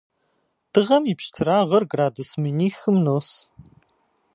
Дыгъэм и пщтырагъыр градус минихым нос.